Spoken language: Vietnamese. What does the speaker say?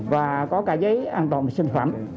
và có cả giấy an toàn vệ sinh phẩm